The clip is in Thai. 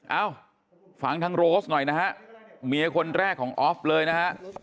เอ้าฟังทางโรสหน่อยนะฮะเมียคนแรกของออฟเลยนะฮะ